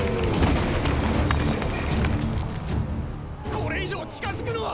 これ以上近づくのは！